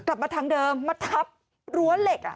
กลับมาทางเดิมมาทับรั้วเหล็ก